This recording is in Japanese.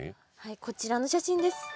こちらの写真です。